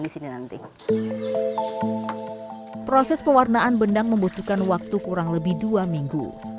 proses pewarnaan benang membutuhkan waktu kurang lebih dua minggu